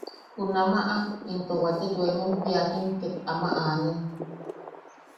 Junamaʼa into wate yoemem jiakim ket ama anen.